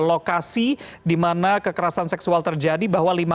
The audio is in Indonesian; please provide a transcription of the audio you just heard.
oke dok ini cukup menarik tadi ada katakan anak seharusnya berada di tempat yang aman yaitu di rumah